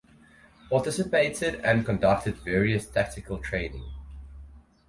Participated and conducted various tactical training.